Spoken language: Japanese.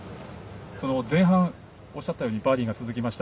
その前半おっしゃったようにバーディーが続きました。